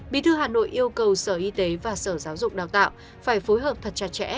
bí thư hà nội yêu cầu sở y tế và sở giáo dục đào tạo phải phối hợp thật chặt chẽ